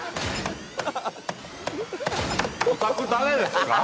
おたく誰ですか？